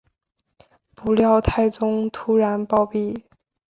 不料太宗突然暴毙。